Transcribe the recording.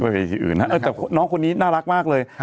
ไปวัยทีอื่นครับแต่น้องคนนี้น่ารักมากเลย